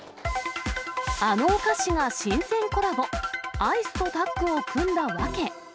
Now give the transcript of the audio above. あのお菓子が新鮮コラボ、アイスとタッグを組んだ訳。